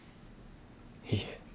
いいえ。